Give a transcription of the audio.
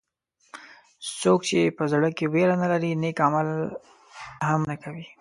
څوک چې په زړه کې وېره نه لري نیک عمل هم نه کوي.